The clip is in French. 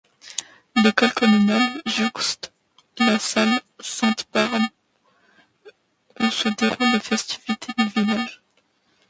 L'école communale jouxte la salle Sainte Barbe où se déroulent les festivités du village.